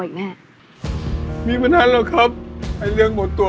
อีกแน่มีมานานแล้วครับไอ้เรื่องหมดตัว